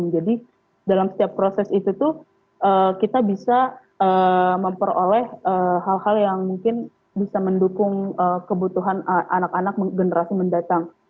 dalam setiap proses itu tuh kita bisa memperoleh hal hal yang mungkin bisa mendukung kebutuhan anak anak generasi mendatang